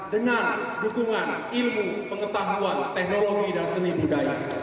dengan dukungan ilmu pengetahuan teknologi dan seni budaya